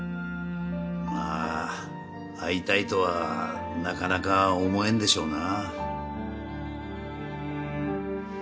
まあ会いたいとはなかなか思えんでしょうな。